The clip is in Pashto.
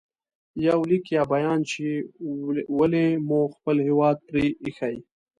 • یو لیک یا بیان چې ولې مو خپل هېواد پرې ایښی